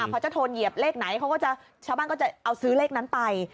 พอเจ้าโทนเหยียบเลขไหนชาวบ้านก็จะเอาซื้อเลขนั้นไป